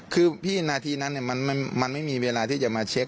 คือพี่นาทีนั้นมันไม่มีเวลาที่จะมาเช็ค